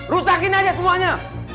rusakin aja semuanya